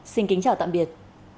xin kính chào tạm biệt